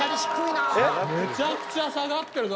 めちゃくちゃ下がってるぞおい！